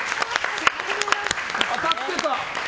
当たってた！